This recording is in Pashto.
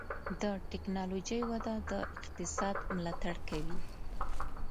د ټکنالوجۍ وده د اقتصاد ملاتړ کوي.